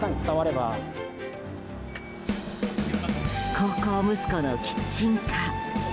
孝行息子のキッチンカー。